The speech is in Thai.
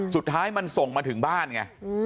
สุดท้ายมันส่งมาถึงบ้านไง